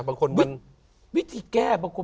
บางคนว่าวิธีแก้บางคน